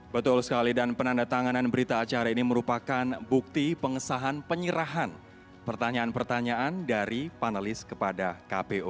betul sekali dan penandatanganan berita acara ini merupakan bukti pengesahan penyerahan pertanyaan pertanyaan dari panelis kepada kpu